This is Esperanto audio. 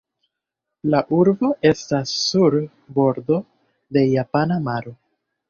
La urbo estas sur bordo de Japana maro.